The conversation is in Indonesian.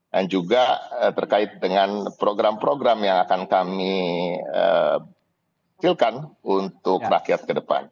dan juga terkait dengan program program yang akan kami sifilkan untuk rakyat kedepan